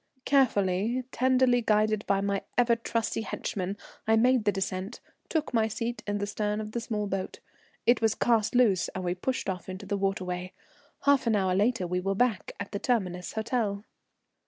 Carefully, tenderly guided by my ever trusty henchman I made the descent, took my seat in the stern of the small boat, it was cast loose, and we pushed off into the waterway. Half an hour later we were back at the Terminus Hotel.